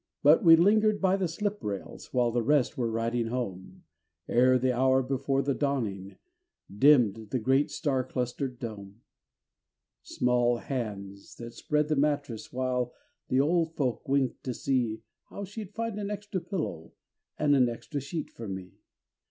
But we lingered by the slip rails While the rest were riding home, Ere the hour before the dawning, Dimmed the great star clustered dome. Small brown hands that spread the mattress While the old folk winked to see How she'd find an extra pillow And an extra sheet for me.